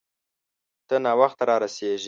ته ناوخته را رسیږې